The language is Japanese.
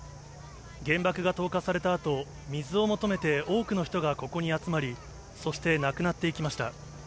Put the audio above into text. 原爆が投下されたあと、水を求めて多くの人がここに集まり、そして亡くなっていきました。